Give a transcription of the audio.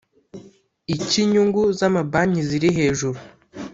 Icy’inyungu z’amabanki ziri hejuru